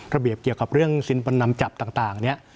ระเบียบเกี่ยวกับเรื่องสินประนำจับต่างเนี่ย